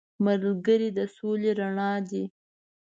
ملګری د سولې رڼا دی